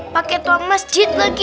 pakai tuang masjid lagi